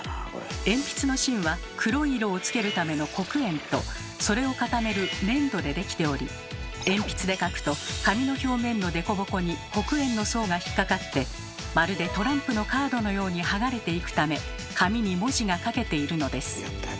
鉛筆の芯は黒い色をつけるための「黒鉛」とそれを固める「粘土」で出来ており鉛筆で書くと紙の表面の凸凹に黒鉛の層が引っ掛かってまるでトランプのカードのようにはがれていくため紙に文字が書けているのです。